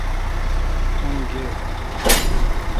ان گے۔